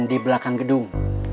di belakang gedung